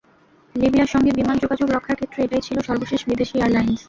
লিবিয়ার সঙ্গে বিমান যোগাযোগ রক্ষার ক্ষেত্রে এটাই ছিল সর্বশেষ বিদেশি এয়ারলাইনস।